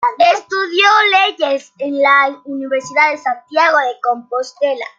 Estudió leyes en la Universidad de Santiago de Compostela.